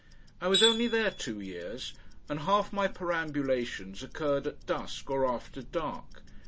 I was only there two years, and half my perambulations occurred at dusk or after dark.